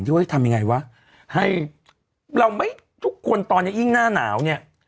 ว่าจะทำยังไงวะให้เราไม่ทุกคนตอนนี้ยิ่งหน้าหนาวเนี่ย